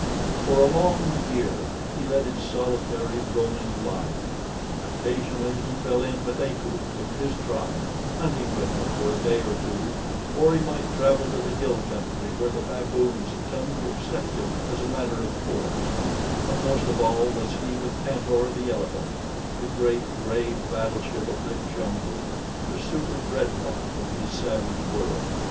For a long year he led his solitary, roaming life. Occasionally he fell in with Akut and his tribe, hunting with them for a day or two; or he might travel to the hill country where the baboons had come to accept him as a matter of course; but most of all was he with Tantor, the elephant—the great gray battle ship of the jungle—the super dreadnaught of his savage world.